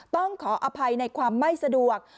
ต้องขออภัยในความไม่สะดวก